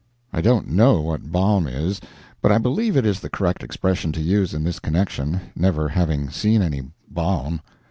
(I don't know what balm is, but I believe it is the correct expression to use in this connection never having seen any balm.)